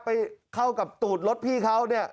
ไปเข้ากับตูดรถพี่เขา